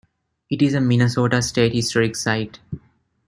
It is a Minnesota State Historic Site.